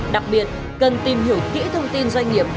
đặc biệt cần tìm hiểu kỹ thông tin doanh nghiệp